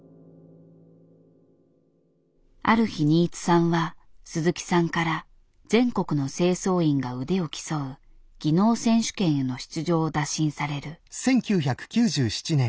ある日新津さんは鈴木さんから全国の清掃員が腕を競う技能選手権への出場を打診される。